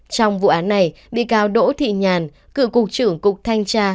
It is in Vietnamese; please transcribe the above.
trong vụ án này bị cáo đỗ thị nhàn cựu cục trưởng cục thanh tra